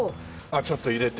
ちょっと入れて。